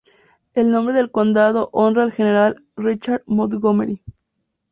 El nombre del condado honra al general, Richard Montgomery.